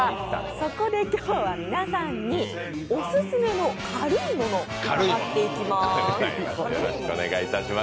そこで今日は皆さんに、オススメの軽いものを伺っていきます。